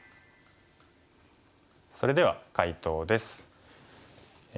それでは解答です。